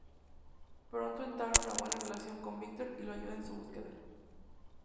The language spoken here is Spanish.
Pronto entabla una buena relación con Victor y lo ayuda en su búsqueda.